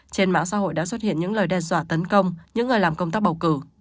trên mạng xã hội đã xuất hiện những lời đe dọa tấn công những người làm công tác bầu cử